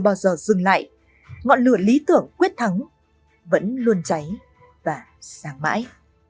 bao giờ dừng lại ngọn lửa lý tưởng quyết thắng vẫn luôn cháy và sáng mãi